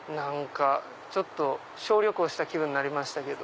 小旅行した気分になりましたけど。